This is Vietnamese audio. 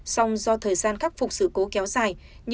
song do thời gian khắc phục sự cố kéo dài